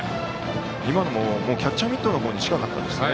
今のもキャッチャーミットの方に近かったですね。